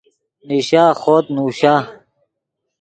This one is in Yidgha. نیشا خوط نوشا